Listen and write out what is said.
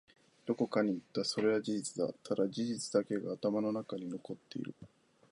どこかに行った。それは事実だ。ただ、事実だけが頭の中に残っている。